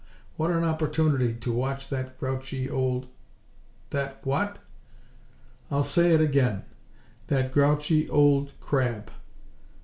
What an opportunity to watch that grouchy old " "That what?" "I'll say it again: that grouchy old crab.